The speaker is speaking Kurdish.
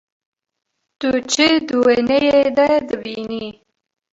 Tu çi di wêneyê de dibînî?